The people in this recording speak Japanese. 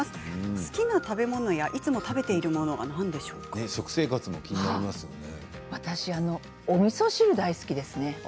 好きな食べ物やいつも食べている私、おみそ汁が大好きですね。